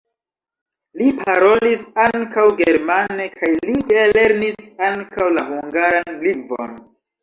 Li parolis ankaŭ germane kaj li lernis ankaŭ la hungaran lingvon.